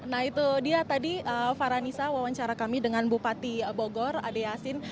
nah itu dia tadi farhanisa wawancara kami dengan bupati bogor ade yasin